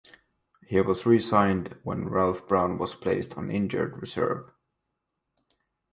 He was re-signed when Ralph Brown was placed on injured reserve.